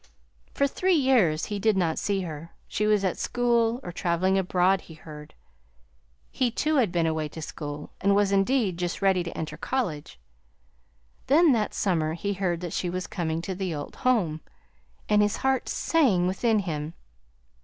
"For three years he did not see her. She was at school, or traveling abroad, he heard. He, too, had been away to school, and was, indeed, just ready to enter college. Then, that summer, he heard that she was coming to the old home, and his heart sang within him.